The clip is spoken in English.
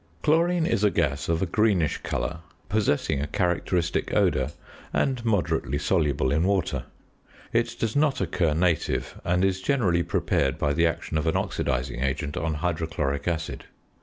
Chlorine is a gas of a greenish colour, possessing a characteristic odour, and moderately soluble in water. It does not occur native, and is generally prepared by the action of an oxidising agent on hydrochloric acid.